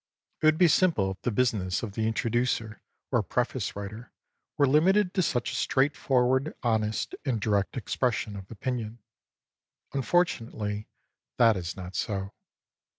It would be so simple if the business of the introducer or preface writer were limited to such a straightforward, honest, and direct expression of opinion; unfortunately that is not so.